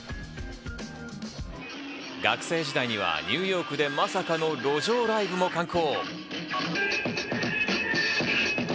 学生時代にはニューヨークでまさかの路上ライブも敢行。